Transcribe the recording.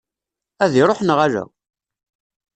Ad iruḥ neɣ ala?